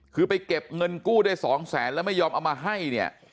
คือไปเก็บเงินกู้ได้สองแสนแล้วไม่ยอมเอามาให้เนี่ย